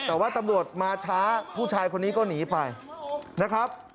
แต่ว่าตำรวจมาช้าผู้ชายคนนี้ก็หนีไปนะครับ